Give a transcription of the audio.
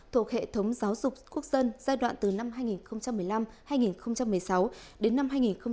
thuộc hệ thống giáo dục quốc dân giai đoạn từ năm hai nghìn một mươi năm hai nghìn một mươi sáu đến năm hai nghìn hai mươi hai nghìn hai mươi một